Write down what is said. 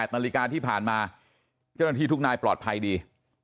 นาฬิกาที่ผ่านมาเจ้าหน้าที่ทุกนายปลอดภัยดี